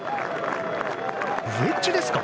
ウェッジですか？